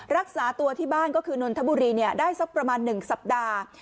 รักษาตัวที่บ้านก็คือนนทบุรีได้สักประมาณ๑สัปดาห์